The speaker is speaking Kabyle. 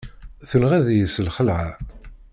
Tenɣiḍ-iyi s lxeεla!